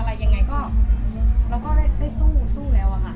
แต่ว่าถ้ายังไงเราก็ได้สู้สู้แล้วค่ะ